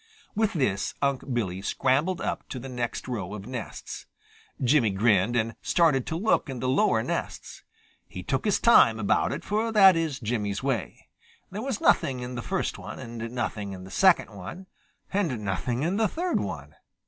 With this, Unc' Billy scrambled up to the next row of nests. Jimmy grinned and started to look in the lower nests. He took his time about it, for that is Jimmy's way. There was nothing in the first one and nothing in the second one and nothing in the third one.